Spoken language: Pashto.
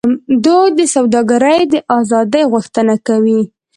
دوی د سوداګرۍ د آزادۍ غوښتنه کوي